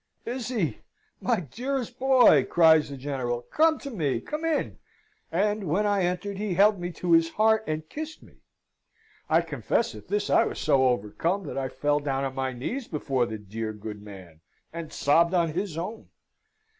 "Is he! My dearest boy!" cries the General. "Come to me come in!" And when I entered he held me to his heart, and kissed me. I confess at this I was so overcome that I fell down on my knees before the dear, good man, and sobbed on his own.